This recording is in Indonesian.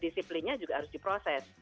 disiplinnya juga harus diproses